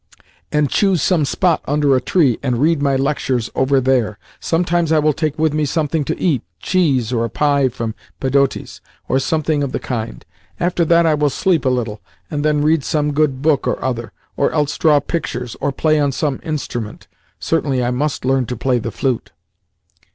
] and choose some spot under a tree, and read my lectures over there. Sometimes I will take with me something to eat cheese or a pie from Pedotti's, or something of the kind. After that I will sleep a little, and then read some good book or other, or else draw pictures or play on some instrument (certainly I must learn to play the flute).